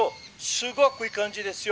すごくいい感じですよ」。